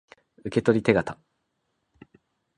受取手形